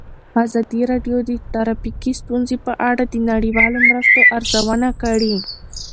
ازادي راډیو د ټرافیکي ستونزې په اړه د نړیوالو مرستو ارزونه کړې.